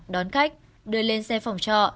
đón khách đưa lên xe phòng trọ